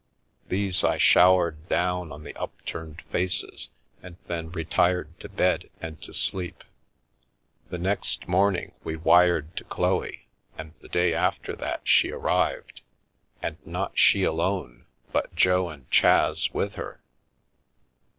These I showered down on the upturned faces and then retired to bed and to sleep. The next morning we wired to Chloe, and the day after that she arrived, and not she alone, but Jo and Chas with her.